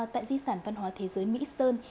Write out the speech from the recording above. tại di sản văn hóa thế giới mỹ sơn